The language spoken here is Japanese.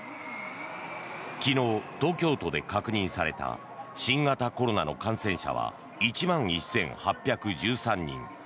昨日、東京都で確認された新型コロナの感染者は１万１８１３人。